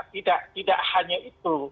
tidak tidak hanya itu